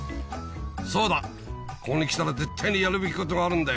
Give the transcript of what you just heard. そうだここに来たら絶対にやるべきことがあるんだよ